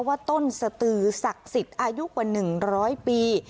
ว่าต้นสตือศักดิ์สิทธิ์อายุกว่า๑๐๐ปี